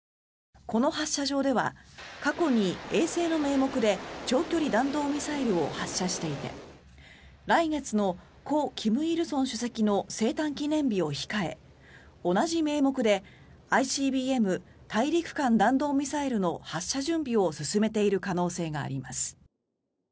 この発射場では過去に衛星の名目で長距離弾道ミサイルを発射していて来月の故・金日成主席の生誕記念日を控え同じ名目でＩＣＢＭ・大陸間弾道ミサイルの発射準備を進めている可能性があります。